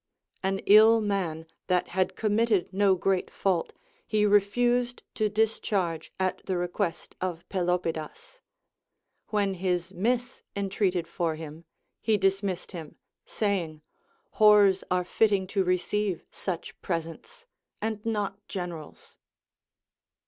An ill man, that had committed no great fault, he refused to discharge at the request of Pelopidas ; when his miss entreated for him, he dismissed AND GREAT COMMANDERS. 223 him, saying : Whores are fitting to receive such presents, and not generals.